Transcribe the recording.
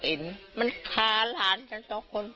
เพราะไม่เคยถามลูกสาวนะว่าไปทำธุรกิจแบบไหนอะไรยังไง